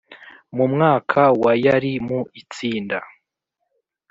Mu mwaka wa yari mu itsinda